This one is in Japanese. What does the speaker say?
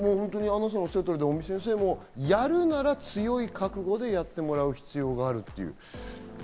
アンナさんがおっしゃる通りで、尾身先生もやるなら強い覚悟でやってもらう必要があると言っている。